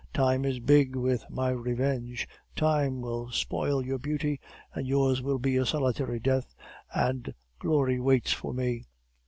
Time is big with my revenge; time will spoil your beauty, and yours will be a solitary death; and glory waits for me!